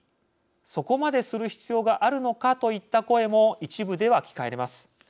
「そこまでする必要があるのか」といった声も一部では聞かれます。